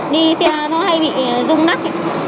đi xe nó hay bị rung nắp